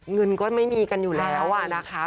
เงินก็ไม่มีกันอยู่แล้วอะนะคะ